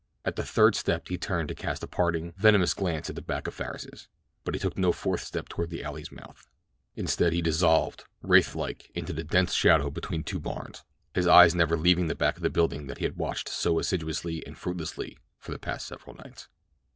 At the third step he turned to cast a parting, venomous glance at the back of Farris's; but he took no fourth step toward the alley's mouth. Instead he dissolved, wraithlike, into the dense shadow between two barns, his eyes never leaving the back of the building that he had watched so assiduously and fruitlessly for the past several nights.